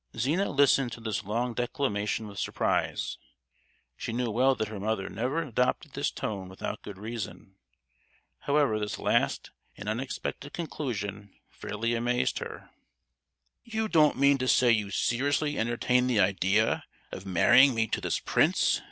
Zina listened to this long declamation with surprise. She knew well that her mother never adopted this tone without good reason. However this last and unexpected conclusion fairly amazed her. "You don't mean to say you seriously entertain the idea of marrying me to this prince?"